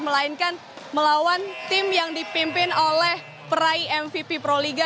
melainkan melawan tim yang dipimpin oleh peraih mvp proliga